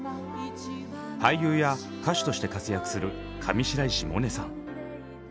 俳優や歌手として活躍する上白石萌音さん。